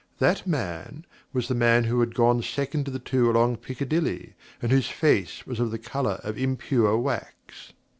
That man was the man who had gone second of the two along Piccadilly, and whose face was of the colour of impure wax.